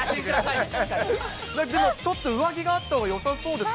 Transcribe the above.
でもちょっと上着があったほうがよさそうです。